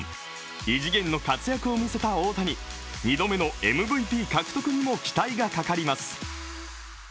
異次元の活躍を見せた大谷２度目のＭＶＰ獲得にも期待がかかります。